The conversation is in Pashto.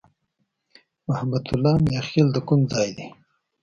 محبت الله "میاخېل" د کوم ځای دی؟